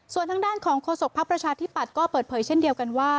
ส่วนทางด้านของโฆษกภักดิ์ประชาธิปัตย์ก็เปิดเผยเช่นเดียวกันว่า